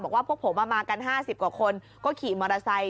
พวกผมมากัน๕๐กว่าคนก็ขี่มอเตอร์ไซค